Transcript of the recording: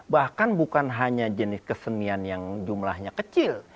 bahkan bukan hanya jenis kesenian yang jumlahnya kecil